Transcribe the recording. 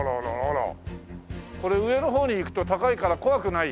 これ上の方に行くと高いから怖くない？